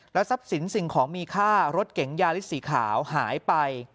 ทรัพย์สินสิ่งของมีค่ารถเก๋งยาลิสสีขาวหายไป